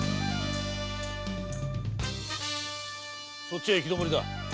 そっちは行き止まりだ。